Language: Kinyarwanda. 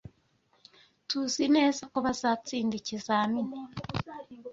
TUZI neza ko bazatsinda ikizamini.